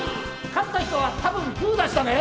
勝った人は多分グー出したね！